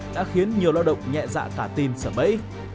đã khiến nhiều lao động nhẹ dạ tả tin sẵn bẫy